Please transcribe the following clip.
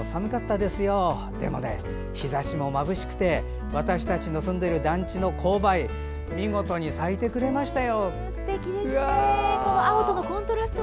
でも日ざしもまぶしくて私たちの住んでる団地の紅梅見事に咲いてくれましたよ。